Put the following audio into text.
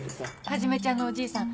はじめちゃんのおじいさん